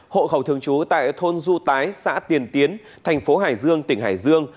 hộ khẩu thường trú tại thôn du tái xã tiền tiến thành phố hải dương tỉnh hải dương